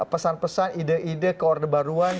pesan pesan ide ide ke orde baruan